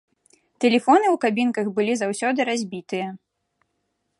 Тэлефоны ў кабінках былі заўсёды разбітыя.